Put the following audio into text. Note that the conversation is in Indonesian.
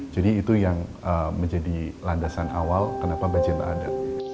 jadi itu yang menjadi landasan awal kenapa bajenta ada